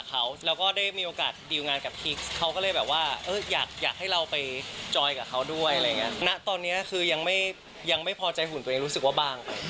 เอาไปฟังเสียงจ้า